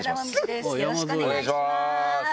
よろしくお願いします。